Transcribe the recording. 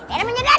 ada minyak gadang